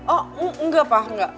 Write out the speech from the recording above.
oh enggak pak enggak